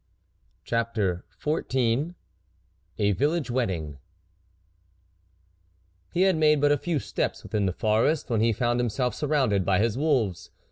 CHAPTER XIV A VILLAGE WEDDING HE had made but a few steps within the forest, when he found himself surrounded by his wolves.